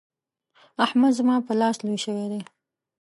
احمد زما پر لاس لوی شوی دی.